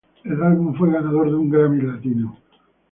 El álbum fue ganador de un Grammy Latino.